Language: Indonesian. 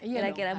iya dong harus